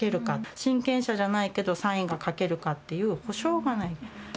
親権者じゃないけどサインが書けるかっていう保証がない。